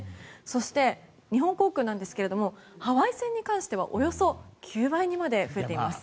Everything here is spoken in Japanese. そして日本航空ですがハワイ線に関してはおよそ９倍にまで増えています。